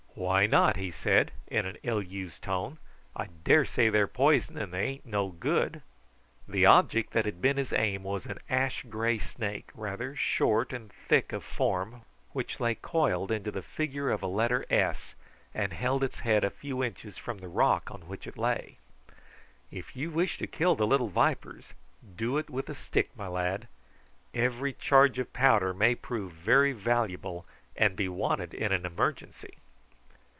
"Why not?" he said in an ill used tone. "I daresay they're poison and they ain't no good." The object that had been his aim was an ash grey snake, rather short and thick of form, which lay coiled into the figure of a letter S, and held its head a few inches from the rock on which it lay. "If you wish to kill the little vipers do it with a stick, my lad. Every charge of powder may prove very valuable, and be wanted in an emergency."